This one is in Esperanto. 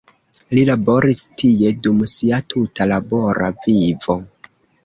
Li laboris tie dum sia tuta labora vivo.